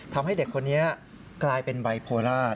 ทำให้เด็กคนนี้กลายเป็นไบโพล่า